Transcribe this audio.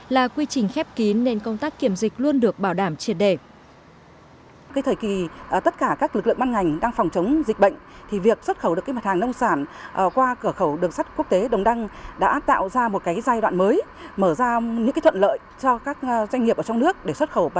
là quy trình khép kín nên công tác kiểm dịch luôn được bảo đảm triệt đề